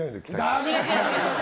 ダメです！